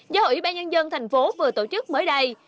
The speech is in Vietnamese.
do ủy ban nhân dân tp hcm vừa tổ chức mới đây